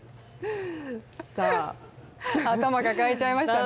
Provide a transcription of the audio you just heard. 頭、抱えちゃいましたね。